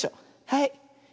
はい。